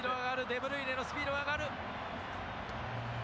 デブルイネのスピードが上がる」。